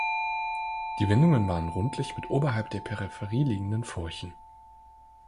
Die Windungen waren rundlich mit oberhalb der Peripherie liegenden Furchen.